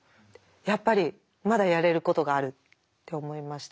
やっぱりまだやれることがあるって思いましたね。